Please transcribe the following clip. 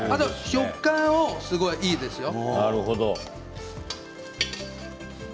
食感がすごくいいですよ。